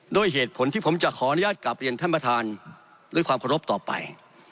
ด้วยเหตุผลที่ผมจะขออนุญาตกลับเรียนท่านประธานด้วยความเคารพต่อไป